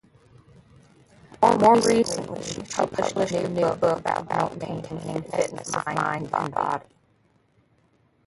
More recently she published a new book about maintaining fitness of mind and body.